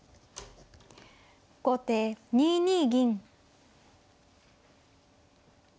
後手２二銀。